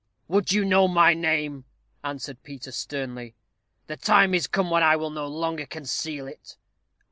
"Would you know my name?" answered Peter, sternly. "The time is come when I will no longer conceal it.